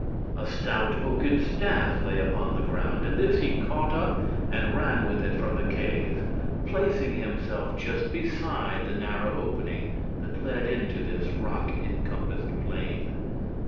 A stout oaken staff lay upon the ground, and this he caught up and ran with it from the cave, placing himself just beside the narrow opening that led into this rock encompassed plain.